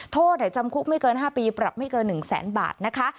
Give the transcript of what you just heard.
โทษจำคุกไม่เกิน๕ปีปรับไม่เกิน๑แสนบาทนะคะ